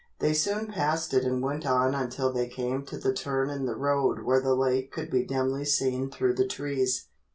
They soon passed it and went on until they came to the turn in the road where the lake could be dimly seen through the trees.